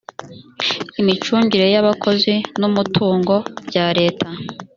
imicungire y’abakozi n’umutungo bya leta